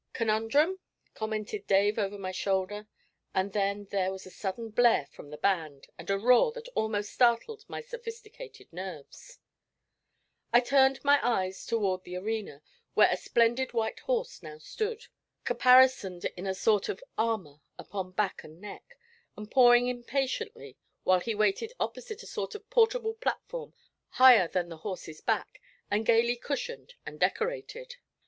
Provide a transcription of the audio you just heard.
'Conundrum?' commented Dave over my shoulder. Just then there was a sudden blare from the band, and a roar that almost startled my sophisticated nerves. I turned my eyes toward the arena, where a splendid white horse now stood, caparisoned in a sort of armour upon back and neck, and pawing impatiently, while he waited opposite a sort of portable platform higher than the horse's back, and gaily cushioned and decorated.